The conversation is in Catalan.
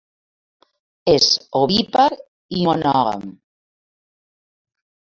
És ovípar i monògam.